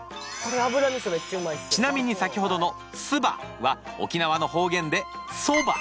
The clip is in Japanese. ちなみに先ほどの「すば」は沖縄の方言で「そば」。